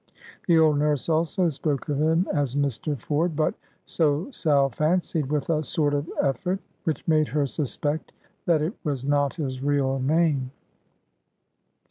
The old nurse also spoke of him as Mr. Ford, but—so Sal fancied—with a sort of effort, which made her suspect that it was not his real name.